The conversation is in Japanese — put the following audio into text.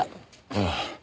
ああ。